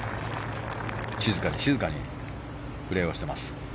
静かに静かにプレーしてます。